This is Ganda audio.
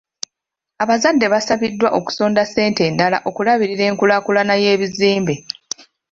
Abazadde basabiddwa okusonda ssente endala okulabirira enkulaakulana y'ebizimbe.